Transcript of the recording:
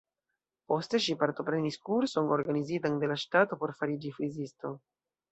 Poste ŝi partoprenis kurson organizitan de la ŝtato por fariĝi frizisto.